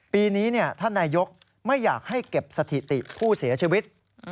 ปีนี้ท่านนายกไม่อยากให้เก็บสถิติผู้เสียชีวิต